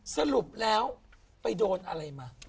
สรุปแล้วไปโดนอะไรมา